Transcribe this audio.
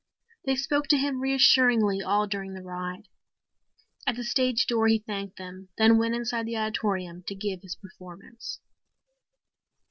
They spoke to him reassuringly all during the ride. At the stage door he thanked them, then went inside the auditorium to give his performance.